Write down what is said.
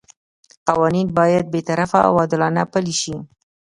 قوانین باید بې طرفه او عادلانه پلي شي.